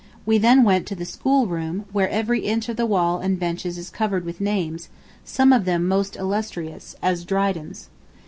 ... We then went to the school room, where every inch of the wall and benches is covered with names, some of them most illustrious, as Dryden's.